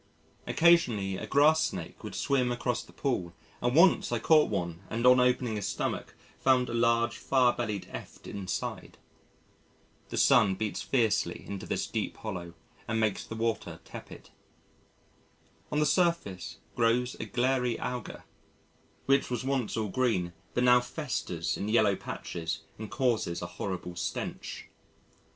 Occasionally a Grass snake would swim across the pool and once I caught one and on opening his stomach found a large fire bellied Eft inside. The sun beats fiercely into this deep hollow and makes the water tepid. On the surface grows a glairy Alga, which was once all green but now festers in yellow patches and causes a horrible stench.